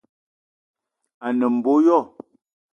A ne mbo yo